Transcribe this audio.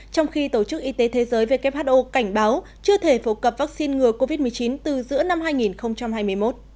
trong khi tổ chức y tế thế giới who cảnh báo chưa thể phổ cập vaccine ngừa covid một mươi chín từ giữa năm hai nghìn hai mươi một